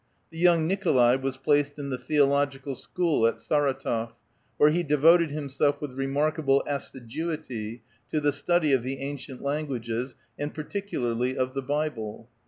The young Nikolai was placed in the Theological School at Sardtof , where he devoted himself with remarkable assiduity to the study of the ancient languages, and particularly of the Bible.